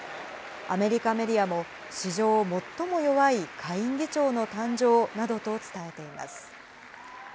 アメリカメディアも、史上最も弱い下院議長の誕生などと伝えています。